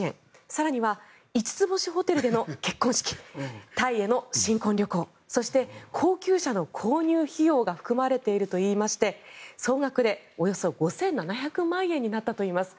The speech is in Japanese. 更には５つ星ホテルでの結婚式タイへの新婚旅行そして、高級車の購入費用が含まれているといいまして総額でおよそ５７００万円になったといいます。